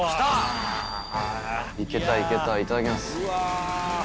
いけたいけたいただきます。